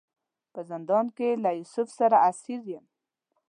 په زندان کې له یوسف سره اسیر یم.